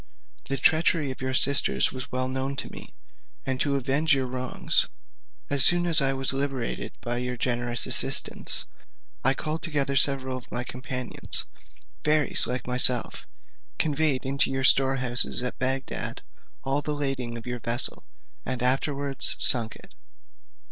The treachery of your sisters was well known to me, and to avenge your wrongs, as soon as I was liberated by your generous assistance, I called together several of my companions, fairies like myself, conveyed into your storehouses at Bagdad all the lading of your vessel, and afterwards sunk it.